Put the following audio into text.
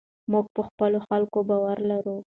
موږ په خپلو خلکو باور لرو.